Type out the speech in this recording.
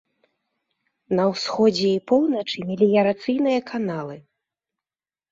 На ўсходзе і поўначы меліярацыйныя каналы.